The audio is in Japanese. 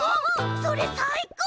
それさいこう！